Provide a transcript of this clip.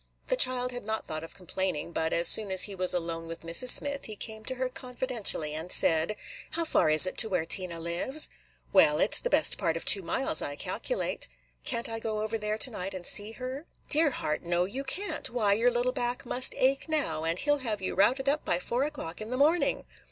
The child had not thought of complaining; but as soon as he was alone with Mrs. Smith, he came to her confidentially and said, "How far is it to where Tina lives?" "Well, it 's the best part of two miles, I calculate." "Can't I go over there to night and see her?" "Dear heart! no, you can't. Why, your little back must ache now, and he 'll have you routed up by four o'clock in the morning."